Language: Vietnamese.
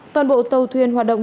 toàn bộ tàu thuyền hoạt động